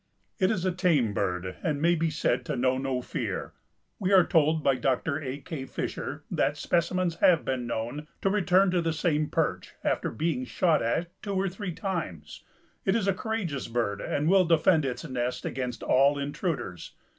It is a tame bird and may be said to know no fear. We are told by Dr. A. K. Fisher that "specimens have been known to return to the same perch after being shot at two or three times. It is a courageous bird, and will defend its nest against all intruders.